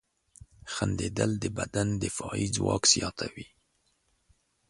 • خندېدل د بدن دفاعي ځواک زیاتوي.